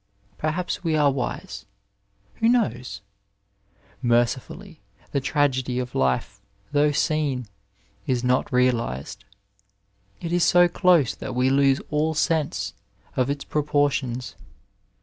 Perhaps we are wise. Who knows ? Mercifully, the tragedy of life, though seen, is not realized. It is so dose that we lose all sense of its proportions.